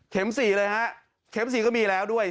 เข็มสี่เลยฮะเข็มสี่ก็มีแล้วด้วย